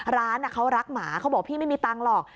ร้านเขารักหมาเขาบอกพี่ไม่มีตังค์หรอก